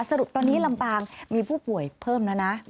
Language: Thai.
สรุปตอนนี้ลำปางมีผู้ป่วยเพิ่มแล้วนะ